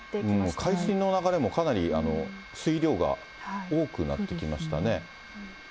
海水の流れも、かなり水量が多くなってきましたね。